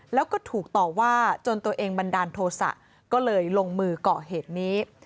แล้วก็ถูกต่อว่าจนตัวเองบันดาลโทษะก็เลยลงมือก่อเหตุนี้